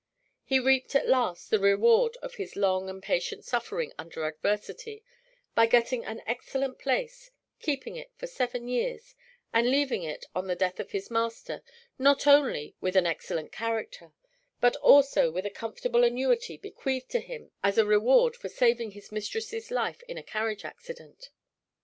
He reaped at last the reward of his long and patient suffering under adversity by getting an excellent place, keeping it for seven years, and leaving it, on the death of his master, not only with an excellent character, but also with a comfortable annuity bequeathed to him as a reward for saving his mistress's life in a carriage accident.